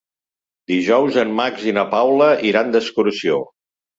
Dijous en Max i na Paula iran d'excursió.